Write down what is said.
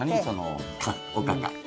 おかかね。